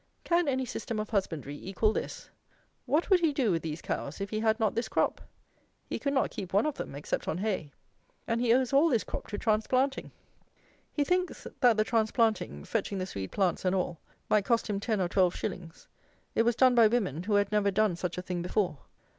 Can any system of husbandry equal this? What would he do with these cows, if he had not this crop? He could not keep one of them, except on hay. And he owes all this crop to transplanting. He thinks that the transplanting, fetching the Swede plants and all, might cost him ten or twelve shillings. It was done by women, who had never done such a thing before.